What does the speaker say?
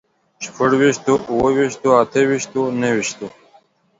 شپږ ويشتو، اووه ويشتو، اته ويشتو، نهه ويشتو